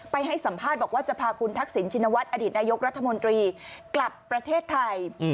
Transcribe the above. ให้สัมภาษณ์บอกว่าจะพาคุณทักษิณชินวัฒนอดีตนายกรัฐมนตรีกลับประเทศไทย